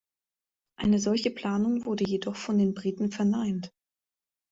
Eine solche Planung wurde jedoch von den Briten verneint.